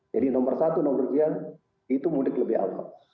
jadi nomor satu nomor tiga itu mudik lebih awal